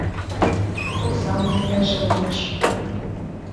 Оксам лукнеже улмаш...